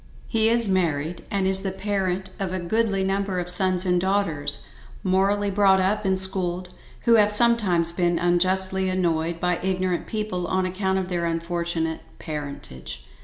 He is married, and is the parent of a goodly number of sons and daughters, morally brought up and schooled, who have sometimes, been unjustly annoyed by ignorent people on account of their unfortunate parentage.